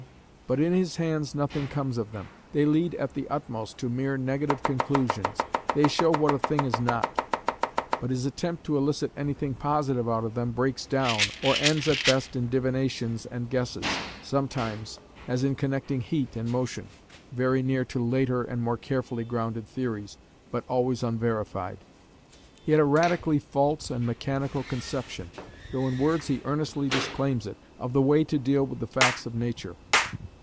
But in his hands nothing comes of them. They lead at the utmost to mere negative conclusions; they show what a thing is not. But his attempt to elicit anything positive out of them breaks down, or ends at best in divinations and guesses, sometimes as in connecting Heat and Motion very near to later and more carefully grounded theories, but always unverified. He had a radically false and mechanical conception, though in words he earnestly disclaims it, of the way to deal with the facts of nature.